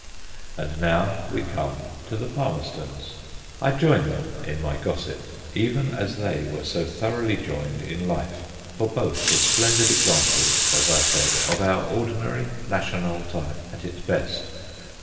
And now we come to the Palmerstons. I join them in my gossip, even as they were so thoroughly joined in life, for both were splendid examples, as I said, of our ordinary national type at its best.